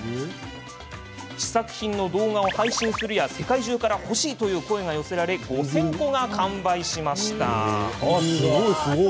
試作品の動画を配信するや世界中から欲しいという声が寄せられ５０００個が完売しました。